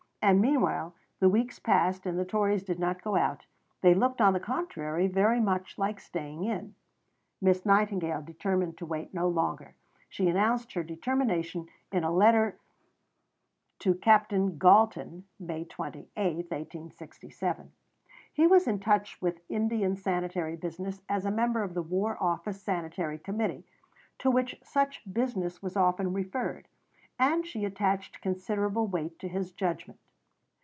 And meanwhile the weeks passed and the Tories did not go out; they looked, on the contrary, very much like staying in. Miss Nightingale determined to wait no longer. She announced her determination in a letter to Captain Galton (May 28, 1867). He was in touch with Indian sanitary business as a member of the War Office Sanitary Committee, to which such business was often referred, and she attached considerable weight to his judgment.